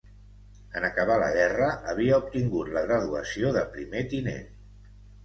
En acabar la guerra havia obtingut la graduació de primer tinent.